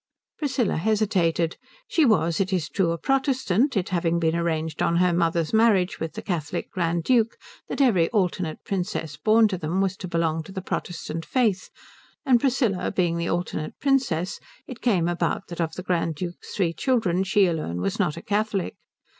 Priscilla hesitated. She was, it is true, a Protestant, it having been arranged on her mother's marriage with the Catholic Grand Duke that every alternate princess born to them was to belong to the Protestant faith, and Priscilla being the alternate princess it came about that of the Grand Duke's three children she alone was not a Catholic.